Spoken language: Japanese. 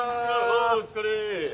お疲れ。